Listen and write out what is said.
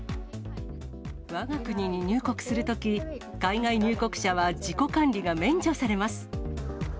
わが国に入国するとき、海外入国者は自己管理が免除されます。